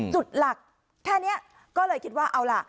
จุดหลักแค่นี้ก็เลยคิดว่าเอาล่ะ